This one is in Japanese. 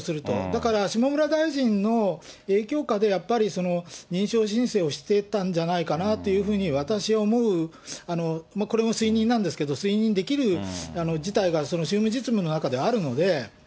だから、下村大臣の影響下で、やっぱり認証申請をしてたんじゃないかなというふうに、私は思う、これも推認なんですけど、推認できる事態がその宗務実務の中であるので。